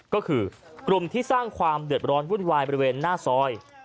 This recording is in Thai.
ก็คือกลุ่มที่สร้างความเดือดร้อนวุ่นวายบริเวณหน้าซอย